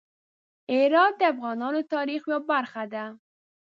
هرات د افغانانو د تاریخ یوه برخه ده.